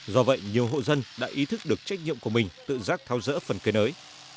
do vậy nhiều hộ dân đã ý thức được trách nhiệm của mình tự giác tháo rỡ phần cây ới